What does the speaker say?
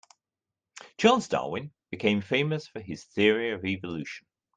Charles Darwin became famous for his theory of evolution.